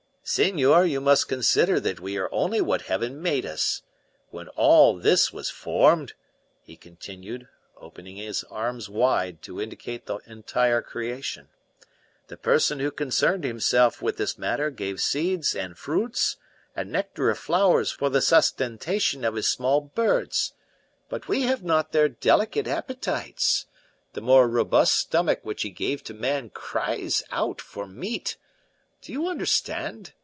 "Senor, you must consider that we are only what Heaven made us. When all this was formed," he continued, opening his arms wide to indicate the entire creation, "the Person who concerned Himself with this matter gave seeds and fruitless and nectar of flowers for the sustentation of His small birds. But we have not their delicate appetites. The more robust stomach which he gave to man cries out for meat. Do you understand?